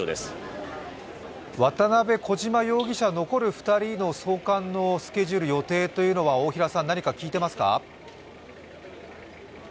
渡辺、小島容疑者、残る２人の強制送還についてのスケジュール、予定というのは大平さん、何か聞いていますか？